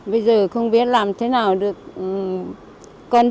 bây giờ thì không được ăn